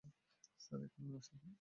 Sir, এখনও আসেনি।